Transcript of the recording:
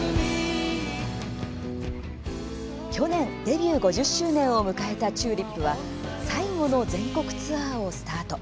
去年、デビュー５０周年を迎えたＴＵＬＩＰは最後の全国ツアーをスタート。